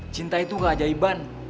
cinta itu keajaiban